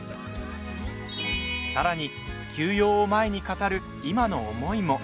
さらに休養を前に語る今の思いも。